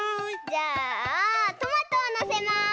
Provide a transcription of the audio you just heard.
じゃあトマトをのせます。